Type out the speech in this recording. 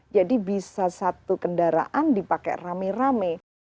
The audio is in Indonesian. jadi bisa satu kendaraan dipakai rame rame